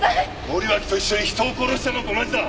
森脇と一緒に人を殺したのと同じだ。